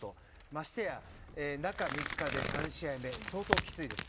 ましてや、中３日で３試合目相当きついです。